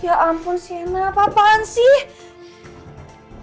ya ampun sienna apa apaan sih